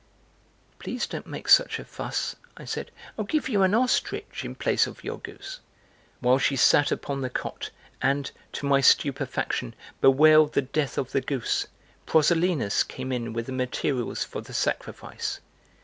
"Please don't make such a fuss," I said, "I'll give you an ostrich in place of your goose!" While she sat upon the cot and, to my stupefaction, bewailed the death of the goose, Proselenos came in with the materials for the sacrifice.